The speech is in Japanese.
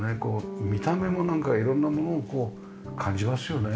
見た目もなんか色んなものを感じますよね。